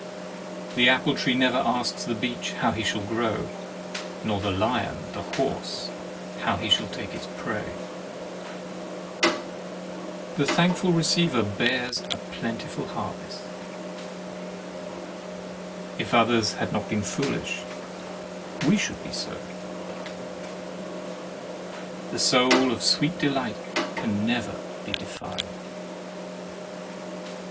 The apple tree never asks the beech how he shall grow, nor the lion the horse how he shall take his prey. The thankful receiver bears a plenti ful harvest. If others had not been foolish we should have been so. The soul of sweet delight can never be defiled.